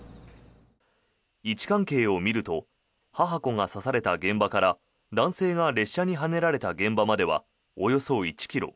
位置関係を見ると母子が刺された現場から男性が列車にはねられた現場まではおよそ１ｋｍ。